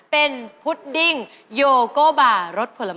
เป็นพุดดิ้งโยโกบารสผลไม้